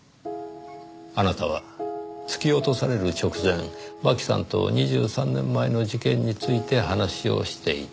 あなたは突き落とされる直前真紀さんと２３年前の事件について話をしていた。